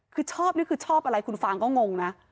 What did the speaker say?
คือชอบนี่คือชอบอะไรคุณฟางก็งงนะ